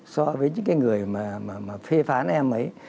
so với những cái người mà phê phán em ấy